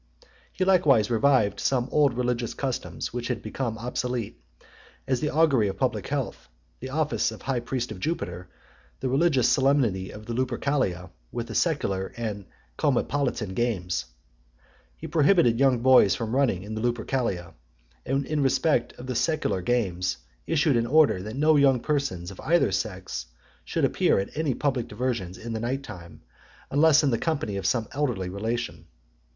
He likewise revived some old religious customs, which had become obsolete; as the augury of public health , the office of (96) high priest of Jupiter, the religious solemnity of the Lupercalia, with the Secular, and Compitalian games. He prohibited young boys from running in the Lupercalia; and in respect of the Secular games, issued an order, that no young persons of either sex should appear at any public diversions in the night time, unless in the company of some elderly relation.